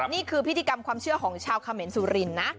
นี่คือพิธีกรรมความเชื่อของชาวเขมรสุรินทร์นะ